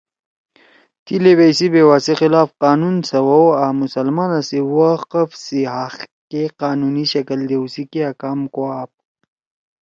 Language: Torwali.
تی لیویئی سی بیوا سی خلاف قانون سوَؤ آں مسلمانا سی وقف سی حق کے قانونی شکل دیؤ سی کیا کام کوا آپ